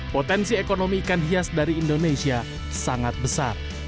potensi ekonomi ikan hias dari indonesia sangat besar